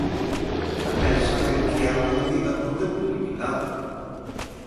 Tamén saber que é unha medida por tempo limitado.